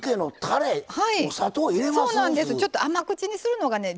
ちょっと甘口にするのがね